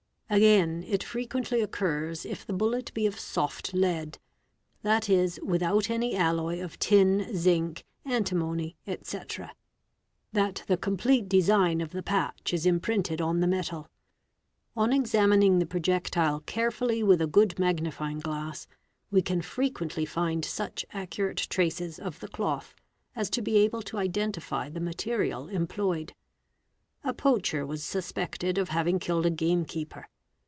% Again it frequently occurs, if the bullet be of soft lead, 2.e., without any : alloy of tin, zinc, antimony, etc., that the complete design of the patch is imprinted on the metal. On examining the projectile carefully with a good magnifying glass, we can frequently find such accurate traces of the cloth as to be able to identify the material employed. A poacher was BULLET GUNS | 425 suspected of having killed a gamekeeper.